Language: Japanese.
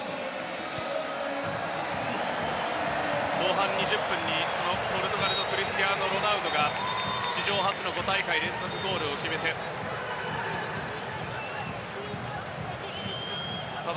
後半２０分にポルトガルのクリスティアーノ・ロナウドが史上初の５大会連続ゴールを決めた。